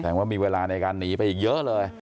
ว่ามีเวลาในการหนีไปอีกเยอะเลย